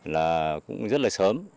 là cũng rất là sớm